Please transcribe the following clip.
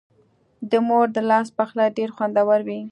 د مور د لاس پخلی ډېر خوندور وي.